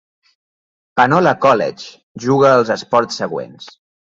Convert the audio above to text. Panola College juga els esports següents.